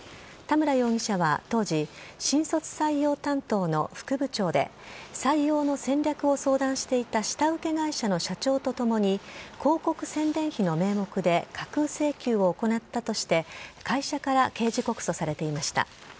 田村容疑者は当時、新卒採用担当の副部長で、採用の戦略を相談していた下請け会社の社長と共に、広告宣伝費の名目で架空請求を行ったとして、会社から刑事告訴されていました。